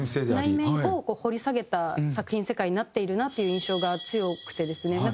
内面をこう掘り下げた作品世界になっているなという印象が強くてですね。